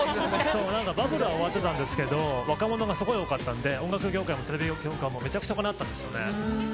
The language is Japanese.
バブルは終わってたんですけど、若者がすごく多かったんで、音楽業界もテレビ業界も、めちゃくちゃ盛り上がったんですよね。